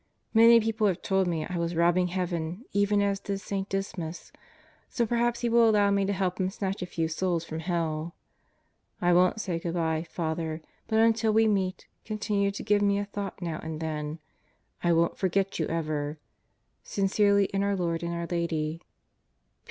Many people have told me I was robbing heaven even as did St. Dismas, so perhaps he will allow me to help him snatch a few souls from hell. I won't say good by, Father, but until we meet continue to give me a thought now and then. I won't forget you ever. Sincerely in our Lord and our Lady.